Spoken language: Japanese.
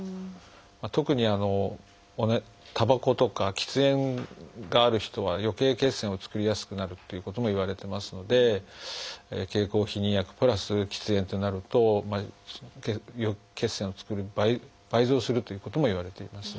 特にたばことか喫煙がある人はよけい血栓を作りやすくなるということもいわれてますので経口避妊薬プラス喫煙ってなると血栓を作る倍増するということもいわれています。